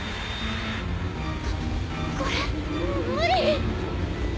ここれ無理！